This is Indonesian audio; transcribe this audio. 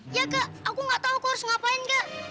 iya kak aku gak tau kok harus ngapain kak